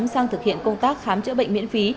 sang thực hiện công tác khám chữa bệnh miễn phí